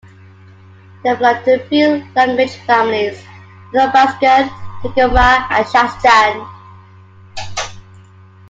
They belong to three language families: Athabaskan, Takelma, and Shastan.